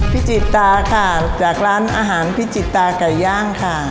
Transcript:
จิตตาค่ะจากร้านอาหารพิจิตตาไก่ย่างค่ะ